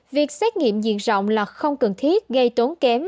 việc xét nghiệm diện rộng là không cần thiết gây tốn kém